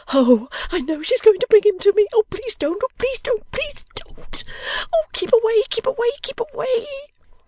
Oh I know she's going to bring him to me! Oh please don't, please don't, please don't! Oh keep away, keep away, keep away!